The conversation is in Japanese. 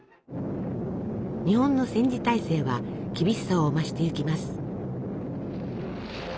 日本の戦時体制は厳しさを増していきます。